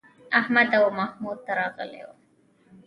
احمد او محمد راغلي وو.